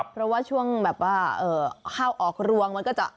เพราะว่าช่วงข้าวออกรวงมันก็จะ